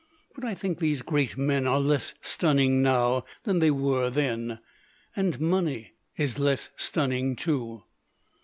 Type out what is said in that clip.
But I think these great men are less stunning now than they were then. And money is less stunning, too.